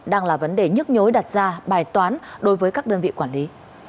đang là vấn đề nhức nhối đặt ra bài toán đối với các đơn vị quản lý